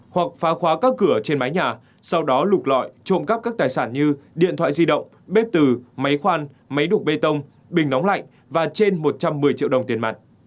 hoặc phá khóa các cửa trên mái nhà sau đó lục lọi trộm cắp các tài sản như điện thoại di động bếp từ máy khoan máy đục bê tông bình nóng lạnh và trên một trăm một mươi triệu đồng tiền mặt